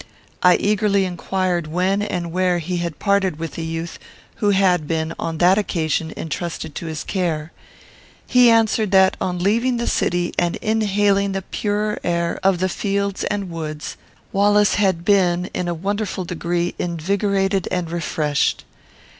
I eagerly inquired when and where he had parted with the youth who had been, on that occasion, intrusted to his care. He answered that, on leaving the city and inhaling the purer air of the fields and woods, Wallace had been, in a wonderful degree, invigorated and refreshed.